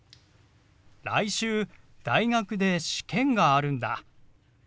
来週大学で試験があるんだ。